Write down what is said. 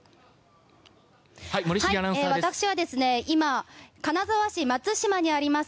私は今、金沢市にあります